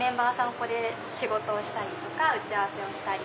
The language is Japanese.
ここで仕事したり打ち合わせをしたり。